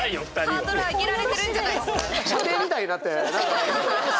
これハードル上げられてるんじゃないっすか？